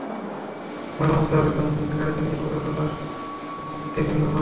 মারওয়ান তাঁর গাড়িতে নিজের পরিবারের পাশাপাশি আবু ওমরের স্ত্রীকে নিয়ে রওনা হন।